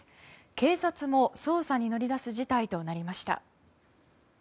警察も捜査に乗り出す事態となりました。